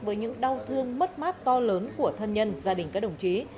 với những đau thương mất mát to lớn của thân nhân gia đình các đồng chí